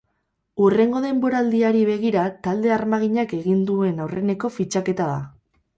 Hurrengo denboraldiari begira talde armaginak egin duen aurreneko fitxaketa da.